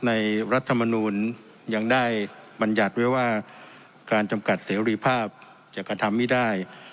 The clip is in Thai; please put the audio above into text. รัฐมนูลยังได้บรรยัติไว้ว่าการจำกัดเสรีภาพจะกระทำไม่ได้